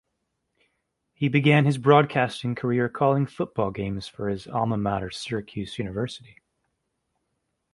He began his broadcasting career calling football games for his alma mater Syracuse University.